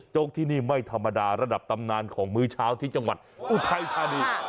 กที่นี่ไม่ธรรมดาระดับตำนานของมื้อเช้าที่จังหวัดอุทัยธานี